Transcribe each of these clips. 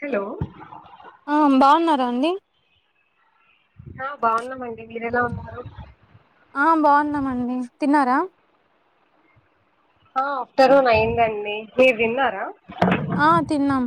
Hello రండి ఆ బాగున్నామండి, మీరెలా ఉన్నారు? ఆ బాగున్నామండి, తిన్నారా? ఆ ఆఫ్టర్ నూన్ అయిందండి, మీరు తిన్నారా? ఆ తిన్నాం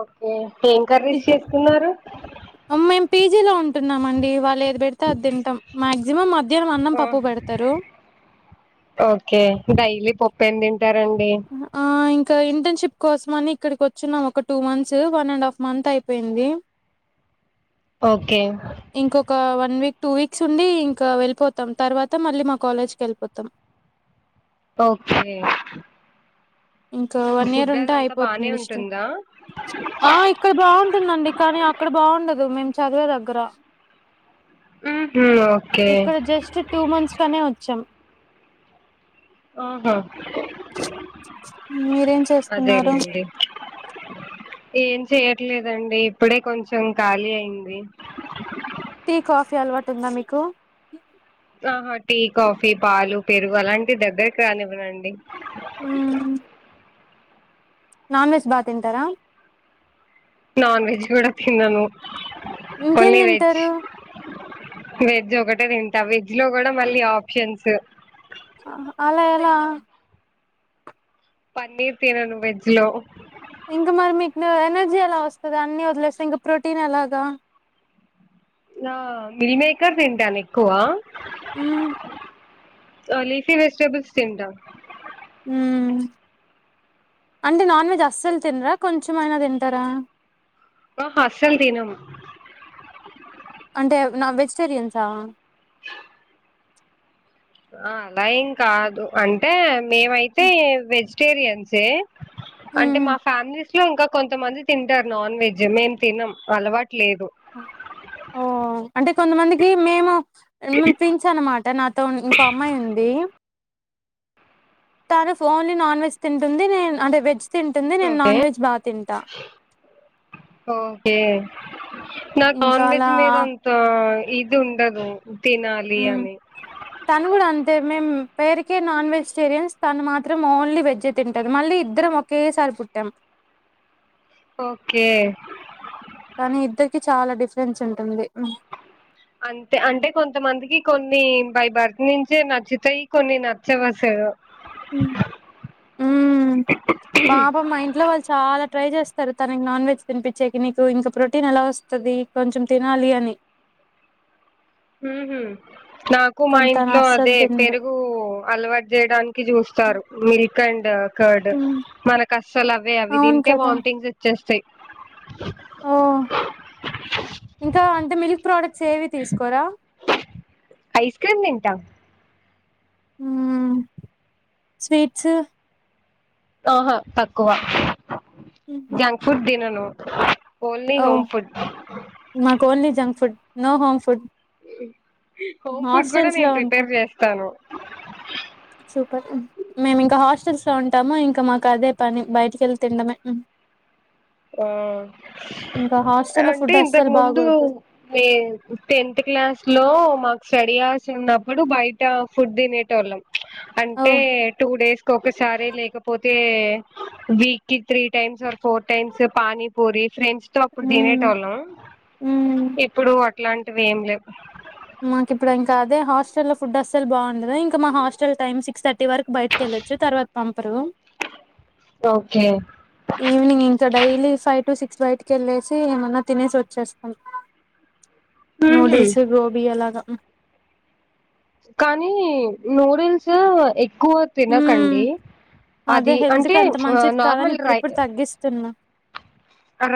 ఓకే ఏం తి కర్రీస్ చేసుకున్నారు మేము పీజీలో ఉంటున్నామండి వాళ్ళు ఏది పెడితే అది తింటాం మాక్సిమం అద్ మధ్యానం అన్నం ఆ పప్పు పెడతారు ఓకే డైలీ పప్పేం తింటారండి అహ ఆయ్ ఇంకా ఇంటర్నషిప్ షిప్ కోసం అని ఇక్కడికి వచ్చిన్నాం ఒక two months one and half month అయిపోయింది ఓకే ఇంకొక వన్ వీక్ టూ వీక్స్ ఉండి ఇంకా వెళ్ళిపోతాం తర్వాత మళ్ళీ మా కాలేజ్కి వెళ్ళిపోతాం ఓకే ఇంకా వన్ ఇయర్ ఫుడ్ ఉంటే అదంతా బానే అయిపోతుంది ఇస్ట్ ఉంటుందా ఆ ఇక్కడ బాగుంటుందండి కానీ అక్కడ బాగుండదు మేము చదివే దగ్గర ఉహు ఓకే ఇక్కడ జస్ట్ టూ మంత్స్ లోనే వచ్చాం ఆహా మీరేం చేస్తున్నారు అదేలేండి ఏం చెయట్లేదండి ఇప్పుడే కొంచెం ఖాళీ అయింది టీ కాఫీ అలవాటు ఉందా మీకు ఆహా టీ కాఫీ పాలు పెరుగు అలాంటి దగ్గరకు రానివ్వనండి ఉహు నాన్ వెజ్ బాగా తింటారా నాన్ వెజ్ కూడా తినాను ఇంకేం తింటారు వెజ్ ఒకటే తింటా వెజ్ లో కూడా మళ్ళీ ఆప్షన్స్ అలా ఎలా పన్నీర్ తినను వెజ్ లో ఇంకా మరి మీకు ఎనర్జీ ఎలా వస్తాది అన్ని వదిలేస్తే ఇంకా ప్రోటీన్ ఎలాగా ఆ మీల్ మేకర్ తింటాను ఎక్కువ మ్మ్ ఆ లీఫీ వెజిటెబుల్స్ తింటా మ్మ్ అంటే నాన్ వెజ్ అస్సల్ తినరా కొంచెం అయినా తింటారా హ అస్సల్ తినం అంటే నా వెజిటేరియన్సా అలా ఏం కాదు అంటే మిము అయితే వెజ్ వెజ్ టేరియన్సే అంటే మ్మ్ మా ఫ్యామిలీస్ లో ఇంకా కొంతమంది తింటారు నాన్ వెజ్ మేము తినాం అలవాటు లేదు ఓ అంటే కొంతమందికి మేము పించ్ అన్నమాట నాతో ఇంకో అమ్మాయి ఉంది తను ఓన్లీ నాన్ వెజ్ తింటుంది నేన్ అంటే వెజ్ తింటుంది నేను ఓకే నాన్ వెజ్ బాగా తింటా ఓకే నాకు ఇంకా నాన్ వెజ్ అలా మీద అంతా ఇదుండదు తను కూడా అంతే మేం పేరుకే నాన్ వెజిటేరియన్స్ తను మాత్రం ఓన్లీ వెజ్ ఏ తింటాది మళ్ళీ ఇద్దరం ఒకేసారి పుట్టాం ఓకే కానీ ఇద్దరికి చాలా డిఫరెన్స్ ఉంటుంది అంతే అంటే కొంతమందికి కొన్ న్నీ బై భర్త్ నుంచే నచ్చుతయి కొన్ని నచ్చవ్ అసలూ. ఉ ఊ పాపం మా ఇంట్లో వాళ్ళు చాలా ట్రై చేస్తారు తనకి నాన్ వెజ్ తినిపించేకి నీకు ఇకా ప్రోటీన్ ఎలా వస్తది కొంచెం తినాలి అని. ఊహూ నాకు మా కానీ తను ఇంట్లో అస్సలు అదే తినదు పెరుగూ అలవాట్ జేయడానికి చూస్తారు మీల్క్. క్ ఆండ్ ఆ కార్డ్ మనకు అస్సలు అవే అవి అవును తింటే కదా వామిటింగ్స్ వచ్చేస్తయ్. ఓ ఇంకా అంటే మిల్క్ ప్రోడక్ట్స్ ఏవి తీసుకోరా. ఐస్ క్రీమ్ తింటా ఊ స్వీట్సూ ఆహా తక్కువా జంక్ ఫుడ్ తినను. ఓన్లీ ఓ హోమ్ ఫుడ్ నాకు only junk food. No home food. Home food గూడా హాస్టల్స్ లో నేను ఉంటా ప్రిపేర్ చేస్తాను. సూపర్ మేము ఇంకా హాస్టల్స్ లో ఉంటాము ఇంకా మాకు అదే పని బయటికి ఎళ్ళి తినడమే. ఆ ఇంకా హాస్టల్లో అంటే ఫుడ్ ఇంతకు అస్సలు ముందూ బాగోదు ఏ టెన్త్ క్లాస్ లో మాకు స్టడీ అవర్స్ లో ఉన్నప్పుడు బయటా ఫుడ్ తినేటోళ్ళం. ఓ అంటే టూ డేస్ కొకసారే లేకపోతే. వీక్కీ three times or four times panipuri friends తో అప్పుడు ఉమ్ తినేటోళ్ళం. ఉమ్ ఇప్పుడూ అట్లాంటివి ఏమ్ లేవు మాకు ఇప్పుడు ఇంకా అదే హాస్టల్ లో ఫుడ్ అస్సల్ బాగుండదు ఇంకా మా hostel time six thirty వరకు బయటికి వెళ్ళొచ్చు తర్వాత పంపరూ ఓకే ఈవినింగ్ ఇంకా డైలీ ఫై టు సిక్స్ బయటికి ఎళ్ళేసి ఏమన్నా తినేసి వచ్చేస్తాం. ఉహు నూడుల్స్ అ గోబీ అలాగా కానీ నూడిల్సూ ఎక్ క్కువ ఉమ్ తినకండీ అదే అదీ హెల్త్ అంటే కి అంత మంచిది కాదని నార్మల్ రై ఇప్పుడిప్పుడు తగ్గిస్తున్నా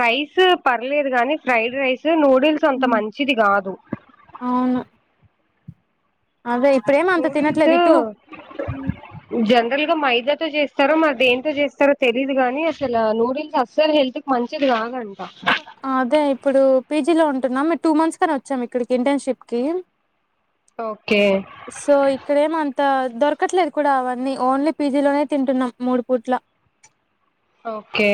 రైసు పర్లేదు గాని ఫ్రైడ్ రైస్ సు నూడిల్స్ అంత ఉమ్, మంచిది గాదు. అవును అదే ఇప్పుడేం అంత నూడిల్సూ తినట్లేదు ఇటు జనరల్గా మైదా తో చేస్తారో మరి దేంతో చేస్తారో తెలీదుగానీ అసలా నూడిల్స్ అస్సలు హెల్త్ కి మంచిది కాదండ్ అదే ఇప్పుడూ పీజిలో ఉంట్ టున్నం టూ మంత్స్ కని వచ్చాం ఇక్కడికి ఇంటార్న్షిప్ కీ ఓకే సో ఇక్కడేం అన్ తా దొరకట్లేదు కూడా అవన్నీ ఓన్లీ పీజీ లోనే తింటున్నాం మూడు పూట్లా. ఓకే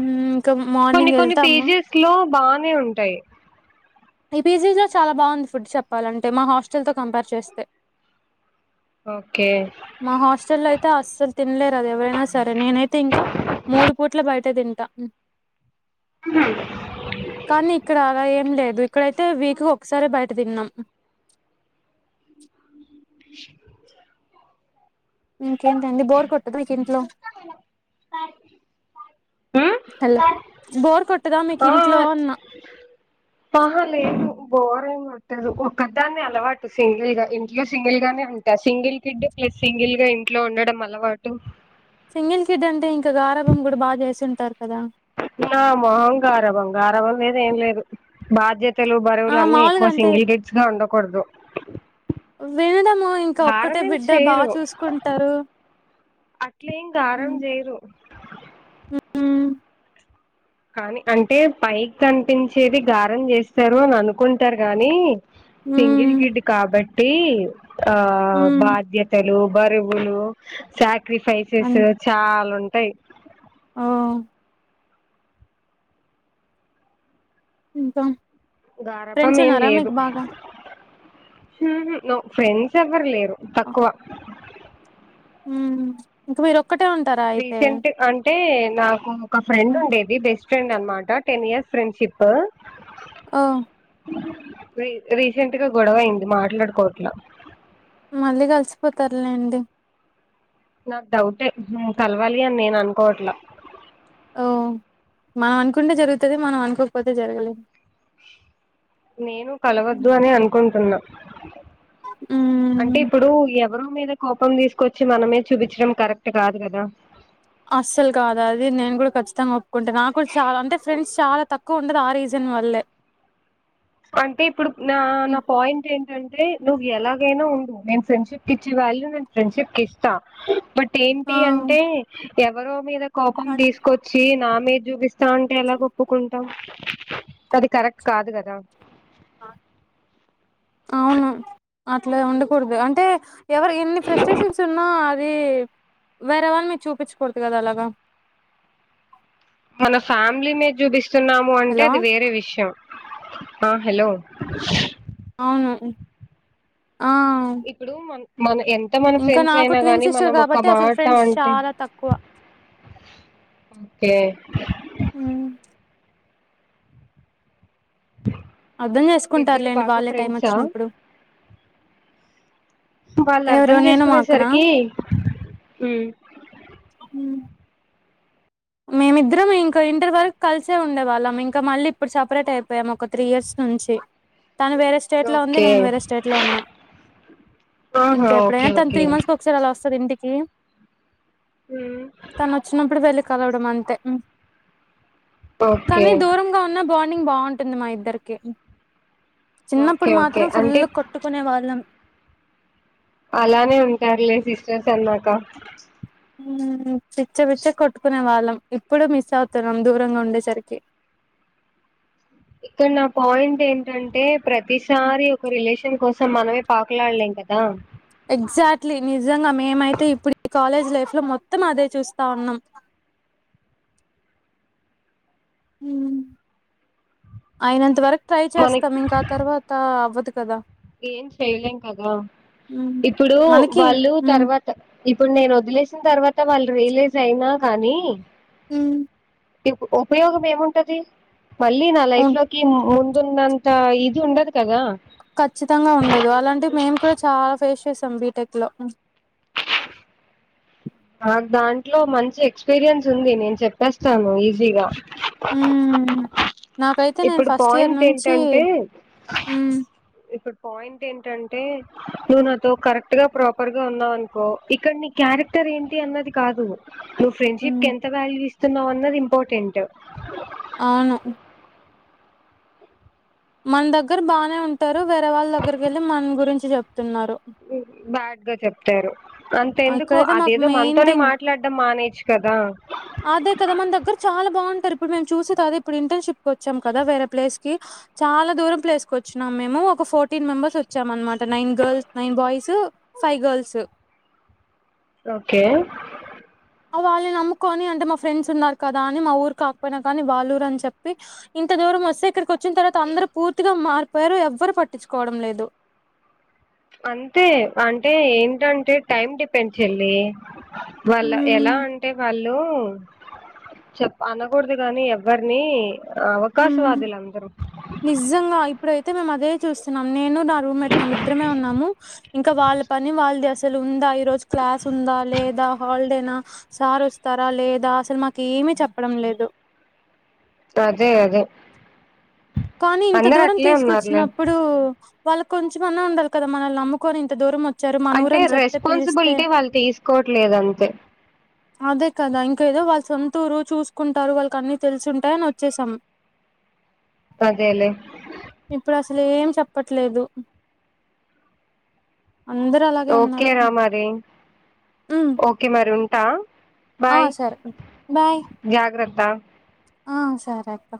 మ్మ్ ఇంకా కొన్ని మార్నింగ్ కొన్ని వెళ్తాము పీజీస్ లో బానే ఉంటాయి. ఈపీజీలో చాలా బాగుంది ఫుడ్ చెప్పాలంటే మా హాస్టల్ తో కంపేర్ చేస్తే. ఓకే మా హాస్టల్ లో అయితే అస్సల్ తిన్లేరు అది ఎవరైనా సరే నేనైతే ఇంకా. మూడు పూట్లా బయటేతిం టా కానీ ఇక్కడా అలా ఏం లేదు. ఇక్కడైతే వీక్ కు ఒక్కసారే బయట తిన్నాం. ఇంకేంత అండి బోర్ కొట్టదు మీక ఇంట్లో ఉమ్ హలో బోర్ కొట్టదా మీకు ఇంట్లో అన్న అహ లేదు బోరింగ్ గొట్టదు ఒక్క దాన్ని అలవాటు సింగిల్ గా ఇంట్లో సింగిల్ గానే ఉంట సింగిల్ కిడ్ సింగిల్ గా ఇంట్లో ఉండడం అలవాటు సింగిల్ కిడ్ అంటే ఇంకా గారాభం కూడా బాగా చేసింటారు కదా నా మొహం గారభం గారాబం లేద్ ఏం లేదు బాధ్యత తెలువు ఆ బరువులు అన్నీ మాములుగా ఎక్కువ అంటే సింగిల్ కిట్స్ కె ఉండకూడదు వినడము ఇంకా ఒక్కటే గారమేం బిడ్డ బా చేయరు చూసుకుంటారు అట్లేం గారం హ్మ్ చేయరు హ్మ్ కానీ అంటే పైకి కనిపించేది గారం చేస్తారు అని అనుకుంటారు గానీ సింగిల్ హ్మ్ గిడ్ కాబట్టి ఆ హ్మ్ బాధ్యతలు బరువులు సాక్రిఫైసెస్ చాలా ఉంటాయి ఆ ఇంకా గారబం ఫ్రెండ్స్ ఏం ఉన్నారా లేదు మీకు బాగా ఊహు నో ఫ్రెండ్స్ ఎవ్వరు లేరు తక్కువ ఊ ఇక మీరు ఒక్కటే ఉంటారా అయితే రీసెంట్ అంటే నాకు ఒక ఫ్రెండ్ ఉండేది బెస్ట్ ఫ్రెండ్ అనమాట టెన్ ఇయర్స్ ఫ్రెండ్షిప్ అ రీ రీసెంట్ గా గొడవ అయింది మాట్లాడుకోట్లా మళ్ళీ కలిసిపోతారులేండి నాకు డౌటే కలవాలి అని నేను అనుకోవట్లా ఓ మనం అనుకుంటే జరుగుతది మనం అనుకోకపోతే జరగలేదు నేను కలవద్దు అనే అనుకుంటున్నా అంటే హ్మ్ ఇప్పుడు ఎవ్ ఎవరు మీద కోపం తీసుకొచ్చి మనమే చూపించడం కరెక్ట్ కాదు కదా అస్సలు కాదా అది నేను కూడా ఖచ్చితంగా ఒప్పుకుంటే నాకు కూడా చాలా అంటే ఫ్రెండ్స్ చాలా తక్కువ ఉండదు ఆ రీజన్ న్ వల్లే అంటే ఇప్పుడు నా నా పాయింట్ ఏంటి టంటే నువ్వు ఎలాగైనా ఉండు నేను ఫ్రెండ్షిప్ ఇచ్చే వాల్యూ నే ఫ్రెండ్షిప్ కి ఇస్తా బట్ ఆ ఏంటి అంటే ఎవరో మీద కోపం తీసుకొచ్చి నా మీద్ చూపిస్తా అంటే ఎలా ఒప్పుకుంటాం అది కరెక్ట్ కాదు కదా అవును అట్లా ఉండకూడదు అంటే ఎవరు ఎన్ని ఫ్రస్ట్రేషన్స్ ఉన్నా అద్ ది వేరేవళ మీ చూపించకూడదు కదా అలాగా మన ఫ్యామిలీ మీద చూపిస్తున్నాము అంటే హలో అది వేరే విషయం ఆ హలో అవును ఆ ఇప్పుడు మన మన ఎం ఎంత మన ఇంకా ఫ్రెండ్స్ నాకు అయినా ట్విన్ గానీ సిస్టర్ మనం ఒక్క కాబట్టి అసలు మాట ఫ్రెండ్స్ అంటే చాలా తక్కువ ఓకే అర్ధం ఇద్దరు చేసుకుంటారులేండి బాగా వాళ్ళే టైం ఫ్రెండ్సా వచ్చినప్పుడు వాళ్ళు ఎవరు అర్ధం నేను మా అక్కనా చేసుకునేసరికి ఊ హ్మ్. అ [inaudible] మేమిద్దరం ఇంకా ఇంటర్ వరకు కలిసే ఉండే వాళ్ళం ఇంకా మళ్ళీ ఇప్పుడు సపరేట్ అయిపోయాము ఒక త్రీ ఇయర్స్ నుంచి తను వేరే స్టేట్లో ఉంది ఓకే నేను వేరే స్టేట్లో ఉన్నా ఆహా ఇంకెప్పుడైనా ఓకే తన త్రీ ఓకే మంత్స్ కి ఒకసారి అలా వస్త ది ఇంటికి ఉమ్, తను వచ్చినప్పుడు వెళ్లి కలవడం అంతే ఓకే కానీ దూరంగా ఉన్నా బాం బాండింగ్ బాగుంటుంది మా ఇద్దరికి ఓకే చిన్నప్పుడు ఓకే మాత్రం ఫుల్ అంటే కొట్టుకునే వాళ్ళం అలానే ఉంటారులే సిస్టర్స్ అన్నాక ఉమ్ పిచ్చ పిచ్చ కొట్టుకునే వాళ్ళం ఇప్పుడు మిస్ అవుతున్నాం దూరంగా ఉండేసరికి ఇక్కడ నా పాయింట్ ఏంటంటే ప్రతిసారి ఒక రిలేషన్ కోస్ సం మనమే పాకులాడలేం కదా ఎగ్జాక్ట్లీ నిజంగా మేమైతే ఇప్పుడు ఈ కాలేజ్ లైఫ్ లో మొత్తం అదే చూస్తా ఉన్నాం [inaudible] హుమ్ అయినంత వరకు ట్రై మనకి చేస్తాం ఇంకా తర్వాత అవ్వదు కదా ఏం చెయలేం కదా ఇప్పుడు మనకి వాళ్ళు తర్వాత ఇప్పుడు నేను వదిలేసిన తర్వాత వాళ్ళు రియలైజ్ అయినా కానీ ఉమ్ ఇప్పు ఉపయోగం ఏముంటది మళ్ళీ నా లైఫ్ ఉమ్ లోకి ముందు ముందున్నంత ఇది ఉండదు కదా ఖచ్చితంగా ఉండదు అలాంటే మేము కూడా చాలా ఫేస్ చేస్ తం బీటెక్ లో నాకు దాంట్లో మంచి ఎక్స్పీరియన్స్ ఉంది నేను చెప్పేస్తాను ఈజీగా [inaudible] హ్మ్. నాకైతే నేను ఇప్పుడు ఫస్ట్ ఇయర్ పాయింట్ నుంచి ఏంటంటే మ్మ్ ఇప్పుడు పాయింట్ ఏంటంటే నువ్వు నాతో కరెక్ట్ గా ప్రాపర్ గా ఉన్నావు అనుకో ఇక్కడ నీ క్యారె క్టర్ ఏంటి అన్నది కాదు నువ్వు ఫ్రెండ్షిప్ కి ఎంత వాల్యూ ఇస్తున్నావు అన్నది ఇంపార్టెంట్ అవును మన దగ్గర బానే ఉంటారు వేరే వాళ్ళ దగ్గరికి వెళ్ళి మన గురించి చెప్ బ్యాడ్ గా చెప్తారు అంత ఆ! ఎందుకు ఇక్కడైతే మాకు అదేదో మెయిన్ మనతోనే థింగ్ మాట్లాడడం మానేయోచ్చు కదా అదే కదా మన దగ్గర చాలా బాగుంటారు ఇప్పుడు మేము చూసేది అదే ఇప్పుడు ఇంటర్న్షిప్ కి వచ్చాం కదా వేరే ప్లేస్ కి చాలా దూరం ప్లేస్ కు వచ్చినాం మేము ఒక ఫోర్టీన్ మెంబర్స్ వచ్చాం అన్నమాట nine girls nine boys five girls okay ఆ వాళ్లని నమ్ముకొని అంటే మా ఫ్రెండ్స్ ఉన్నారు కదా అని మా ఊరు కాకపోయినా కానీ వాళ్ల ఊరు అని చెప్పి ఇంత దూ దూరం వస్తే ఇక్కడికి వచ్చిన తరువాత అందరూ పూర్తిగా మారిపోయారు ఎవ్వరు పట్టించుకోవడం లేదు అంతే అంటే ఏంటంటే టైమ్ డిపెండ్ చెల్లి వాళ్ల ఎలా హ్మ్ అంటే వాళ్లు చెప్ప అనకూడదు గాని ఎవ్వరిని హుమ్ నిజంగా ఇప్పుడై తే మేము అదే చూస్తున్నాం నేను నా రూమ్ మేట్ మేము ఇద్దరమే ఉన్నాము ఇంకా వాళ్ల పని వాళ్లు చేస్ అసలు ఉందా ఈ రోజు క్లాస్ ఉందా లేదా హాలిడేనా సార్ వస్తారా లేదా అసలు మాకు ఏం ఏమి చెప్పడం లేదు అదే అదే కానీ ఇంత అందరు దూరం అట్లే ఉన్నారులే తీసుకొచ్చినప్పుడు వాళ్ళ కొంచంమన్నా ఉండాల కదా మనల్ని నాముకోని ఇంత దూరం వచ్చారు మన అంటే ఊరని చెప్తే పిలిస్తే రెస్పాన్సిబిలిటీ వాళ్ళు తీసుకోవట్లేదు అంతే అదే కదా ఇంకా ఏదో వాళ్ళు సొంత ఊరు చూసుకుంటారు వాళ్ళకి అన్ని తెలుసుంటాయ అని వచ్చేసాం అదేలేే ఇప్పుడు అసలు ఏం చెప్పట్లేదు అందరు అలాగే ఉన్నారు ఓకేనా మరి ఉమ్ ఓకే మరి ఉంటా ఆ బాయ్ సరే బాయ్ జాగ్రత్త ఆ సరే అక్క